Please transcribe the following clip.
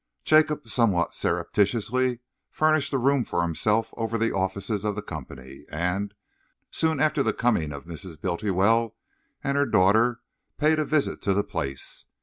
Jacob somewhat surreptitiously furnished a room for himself over the offices of the company and, soon after the coming of Mrs. Bultiwell and her daughter, paid a visit to the place.